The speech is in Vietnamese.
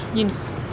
nhìn không biết là gì